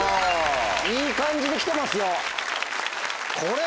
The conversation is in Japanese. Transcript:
いい感じで来てますよ。